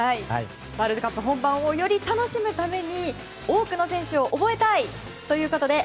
ワールドカップ本番をより楽しむために多くの選手を覚えたいということで。